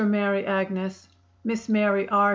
Mary Agnes, Miss Mary R.